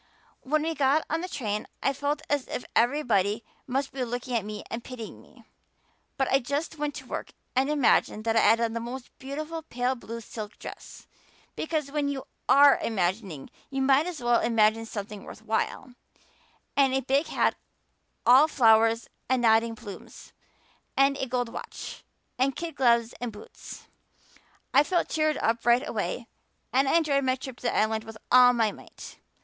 When we got on the train I felt as if everybody must be looking at me and pitying me. But I just went to work and imagined that I had on the most beautiful pale blue silk dress because when you are imagining you might as well imagine something worth while and a big hat all flowers and nodding plumes, and a gold watch, and kid gloves and boots. I felt cheered up right away and I enjoyed my trip to the Island with all my might.